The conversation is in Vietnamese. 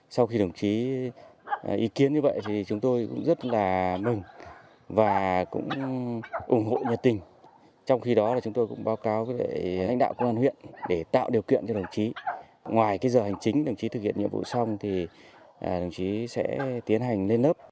sau khi đồng chí ý kiến như vậy thì chúng tôi cũng rất là mừng và cũng ủng hộ nhiệt tình trong khi đó là chúng tôi cũng báo cáo với lãnh đạo công an huyện để tạo điều kiện cho đồng chí ngoài cái giờ hành chính đồng chí thực hiện nhiệm vụ xong thì đồng chí sẽ tiến hành lên lớp